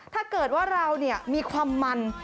ถ้าเกิดว่าเรามีความมัน